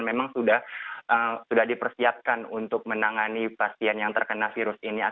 memang sudah dipersiapkan untuk menangani pasien yang terkena virus ini